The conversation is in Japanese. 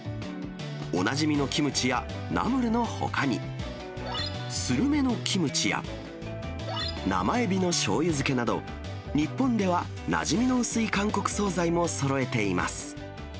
おなじみのキムチやナムルのほかに、スルメのキムチや、生エビのしょうゆ漬けなど、日本ではなじみの薄い韓国総菜もそろえています。